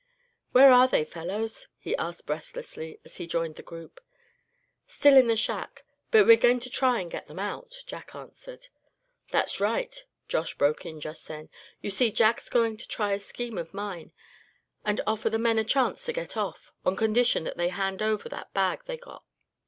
"Where are they, fellows?" he asked, breathlessly, as he joined the group. "Still in the shack, but we're going to try and get them out," Jack answered. "That's right," Josh broke in just then; "you see, Jack's going to try a scheme of mine, and offer the men a chance to get off, on condition that they hand over that bag they got.